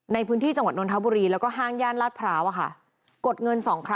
ในพื้นที่จังหวัดนทบุรีแล้วก็ห้างย่านลาดพร้าวกดเงิน๒ครั้ง